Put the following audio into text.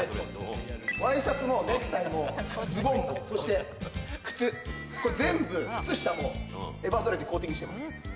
ワイシャツもネクタイもズボンも、そして靴、これ全部、靴下もエバードライでコーティングしてます。